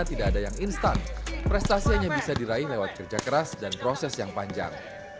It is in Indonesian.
tidak ada yang instan prestasi hanya bisa diraih lewat kerja keras dan proses yang panjang